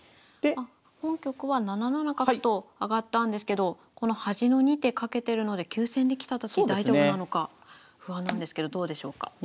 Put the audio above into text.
本局は７七角と上がったんですけどこの端の２手かけてるので急戦できたとき大丈夫なのか不安なんですけどどうでしょうか？